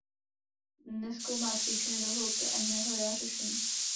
Nezkoumá příčiny do hloubky, ani nehledá řešení.